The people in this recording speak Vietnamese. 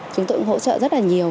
chúng tôi cũng hỗ trợ rất là nhiều